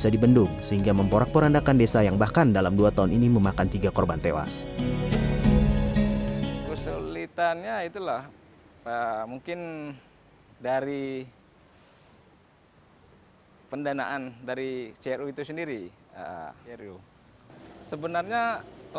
sedangkan personil kita memang nggak cukup tujuh orang di sana